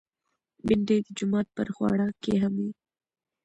بېنډۍ د جومات پر خواړه کې هم وي